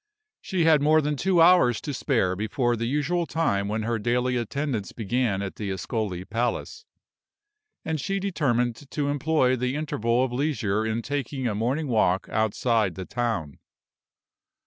She had more than two hours to spare before the usual time when her daily attendance began at the Ascoli Palace; and she determined to employ the interval of leisure in taking a morning walk outside the town.